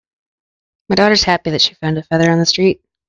My daughter is happy that she found a feather on the street.